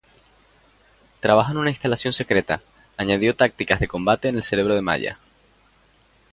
Trabajo en una instalación secreta, añadió tácticas de combate en el cerebro de Maya.